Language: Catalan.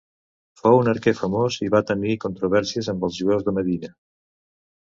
Fou un arquer famós i va tenir controvèrsies amb els jueus de Medina.